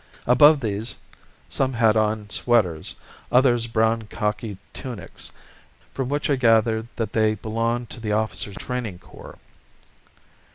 Above these some had an sweaters, others brown khaki tunics, from which I gathered that they belonged to the officers' training corps.